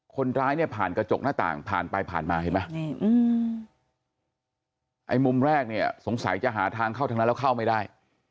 คนร้ายเนี่ยผ่านกระจกหน้าต่างผ่านไปผ่านมาเห็นไหมไอ้มุมแรกเนี่ยสงสัยจะหาทางเข้าทางนั้นแล้วเข้าไม่ได้